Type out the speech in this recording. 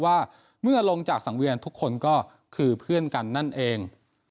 ว่าเมื่อลงจากสังเวียนทุกคนก็คือเพื่อนกันนั่นเอง